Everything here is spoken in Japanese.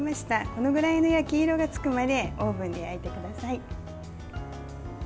このくらいの焼き色がつくまでオーブンで焼いてください。